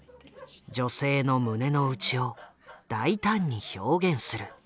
女性の胸の内を大胆に表現する。